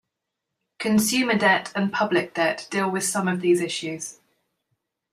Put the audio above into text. Consumer debt and public debt deal with some of these issues.